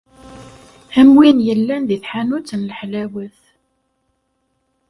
Am win yellan deg tḥanut n leḥlawat.